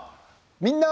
「みんな！